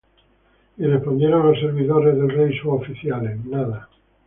Y respondieron los servidores del rey, sus oficiales: Nada.